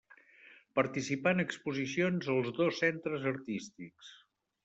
Participà en exposicions als dos centres artístics.